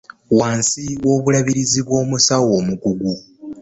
Wansi w'obulabirizi bw'omusawo omukugu